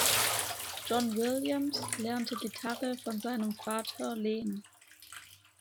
John Williams lernte Gitarre von seinem Vater Len.